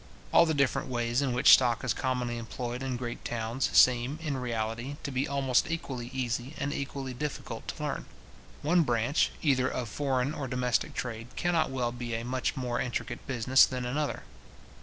All the different ways in which stock is commonly employed in great towns seem, in reality, to be almost equally easy and equally difficult to learn. One branch, either of foreign or domestic trade, cannot well be a much more intricate business than another.